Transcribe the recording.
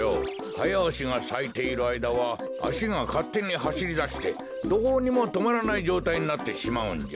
ハヤアシがさいているあいだはあしがかってにはしりだしてどうにもとまらないじょうたいになってしまうんじゃ。